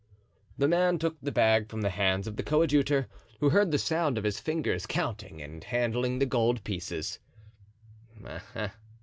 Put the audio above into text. The man took the bag from the hands of the coadjutor, who heard the sound of his fingers counting and handling the gold pieces.